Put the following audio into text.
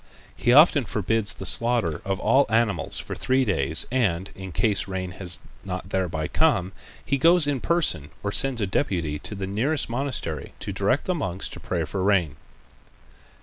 He often forbids the slaughter of all animals for three days and, in case rain has not thereby come, he goes in person or sends a deputy to the nearest monastery to direct the monks to pray for rain.